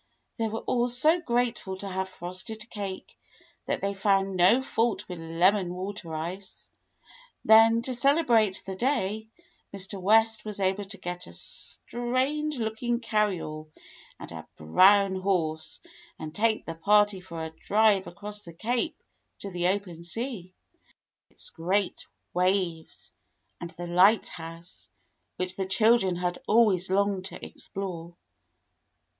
They were all so grateful to have frosted cake that they found no fault with lemon water ice. Then, to celebrate the day, Mr. West was able to get a strange looking carryall and a brown horse, and take the party for a drive across the Cape to the open sea, with its great waves, and the lighthouse, which the children had always longed to explore.